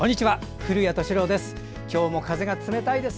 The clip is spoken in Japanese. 古谷敏郎です。